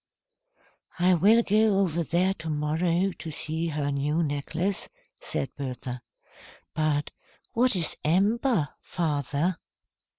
"I will go over there to morrow to see he new necklace," said Bertha. "But what is amber, father?"